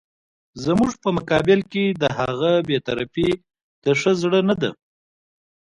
زموږ په مقابل کې د هغه بې طرفي د ښه زړه نه ده.